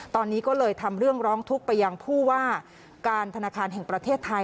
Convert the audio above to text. ตอนนี้ก็เลยทำเรื่องร้องทุกข์ไปยังผู้ว่าการธนาคารแห่งประเทศไทย